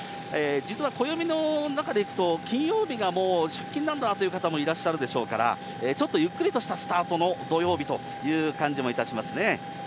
実は暦の中でいくと、金曜日がもう出勤なんだという方もいらっしゃるでしょうから、ちょっとゆっくりとしたスタートの土曜日という感じもいたしますね。